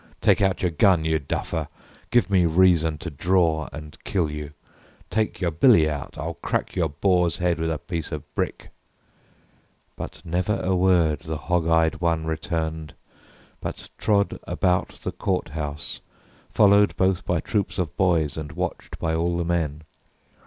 Take out your gun, you duffer, give me reason To draw and kill you. Take your billy out. I'll crack your boar's head with a piece of brick!" But never a word the hog eyed one returned But trod about the court house, followed both By troops of boys and watched by all the men.